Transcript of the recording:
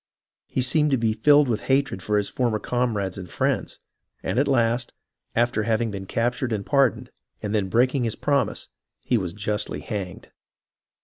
He seemed to be filled with hatred for his former comrades and friends, and at last, after having been captured and par doned, and then breaking his promise, was justly hanged.